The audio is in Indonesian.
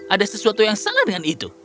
ada sesuatu yang salah dengan itu